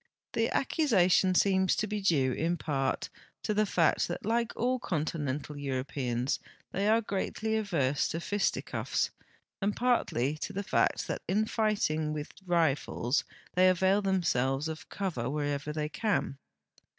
The accusation seems to be due in 2)art to the fact that like all continental Europeans the}" are greatly averse to fisticuffs, and j>artly to the fact that in fighting with rifles they avail themselves of cover whenever they can.